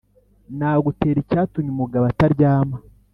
Nagutera icyatumye umugabo ataryama.